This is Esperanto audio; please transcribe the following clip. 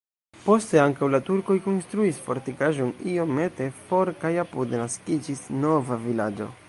Poste ankaŭ la turkoj konstruis fortikaĵon iomete for kaj apude naskiĝis nova vilaĝo.